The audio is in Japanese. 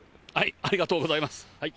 ありがとうございます。